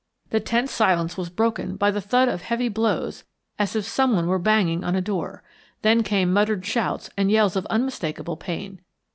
The tense silence was broken by the thud of heavy blows as if someone were banging on a door, then came muttered shouts and yells of unmistakable pain.